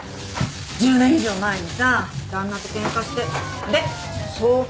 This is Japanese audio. １０年以上前にさ旦那とケンカしてでそう決めたの。